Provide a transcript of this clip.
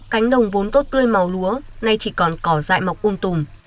cánh đồng vốn tốt tươi màu lúa nay chỉ còn cỏ dại mọc um tùm